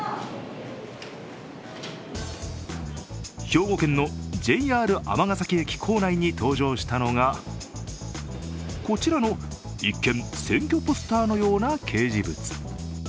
兵庫県のＪＲ尼崎駅構内に登場したのがこちらの、一見選挙ポスターのような掲示物。